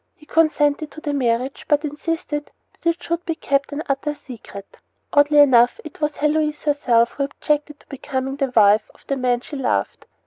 He consented to the marriage, but insisted that it should be kept an utter secret. Oddly enough, it was Heloise herself who objected to becoming the wife of the man she loved.